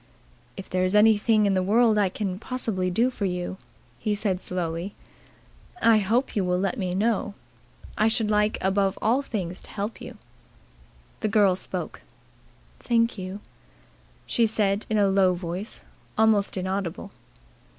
"If there is anything in the world I can possibly do for you," he said slowly, "I hope you will let me know. I should like above all things to help you." The girl spoke. "Thank you," she said in a low voice almost inaudible.